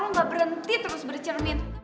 lo gak berhenti terus bercermin